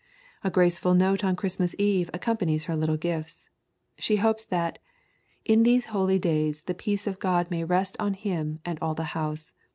A graceful note on Christmas Eve accompanies her little gifts. She hopes that "In these holy days the peace of God may rest on him and all the house.